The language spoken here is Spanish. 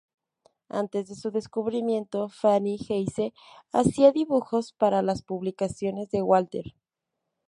Antes de su descubrimiento, Fanny Hesse hacía dibujos para las publicaciones de Walter.